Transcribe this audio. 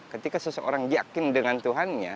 ketika seseorang yakin dengan tuhannya